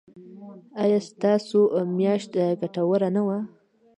ایا ستاسو میاشت ګټوره نه وه؟